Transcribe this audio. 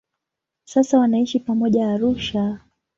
Sasa wanaishi pamoja Arusha.